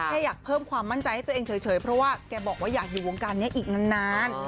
แค่อยากเพิ่มความมั่นใจให้ตัวเองเฉยเพราะว่าแกบอกว่าอยากอยู่วงการนี้อีกนาน